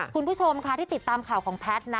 คุณผู้ชมค่ะที่ติดตามข่าวของแพทย์นะ